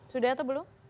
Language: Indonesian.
sudah atau belum